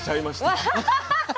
ワハハハハ！